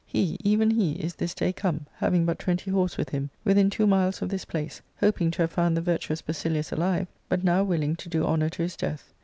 He, even he, is this day come, having but twenty horse with him, within two miles of this place, hoping to have found the virtuous Basilius alive, but now willing to do honour to his death.